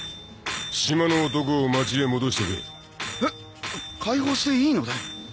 島の男を町へ戻しとけえっ解放していいので？